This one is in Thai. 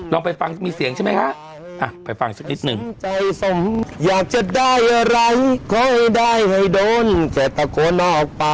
ลองไปฟังมีเสียงใช่ไหมฮะไปฟังสักนิดหนึ่ง